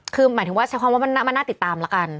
คือหมายถึงว่าใช้คำว่ามันน่าติดตามแล้วกัน